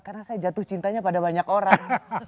karena saya jatuh cintanya pada banyak orang